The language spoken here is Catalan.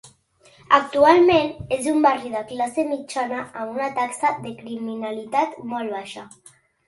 Actualment, és un barri de classe mitjana amb una taxa de criminalitat molt baixa.